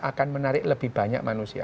akan menarik lebih banyak manusia